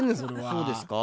そうですか？